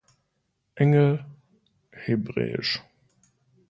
Engel, hebr.